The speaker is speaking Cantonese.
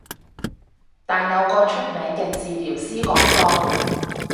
但有個出名嘅治療師講過